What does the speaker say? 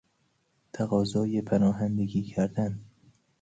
تقاضای پناهندگی کردن